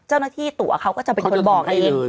เจ้าหน้าที่ตั๋วเขาก็จะเป็นคนบอกเอง